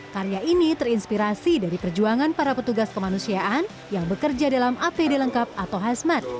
karya ini terinspirasi dari perjuangan para petugas kemanusiaan yang bekerja dalam apd lengkap atau hazmat